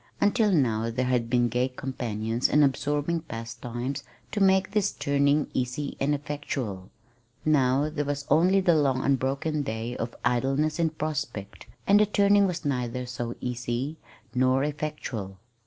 Until now there had been gay companions and absorbing pastimes to make this turning easy and effectual; now there was only the long unbroken day of idleness in prospect, and the turning was neither so easy nor so effectual.